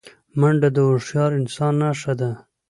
منډه د هوښیار انسان نښه ده